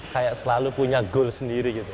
kayak selalu punya goal sendiri gitu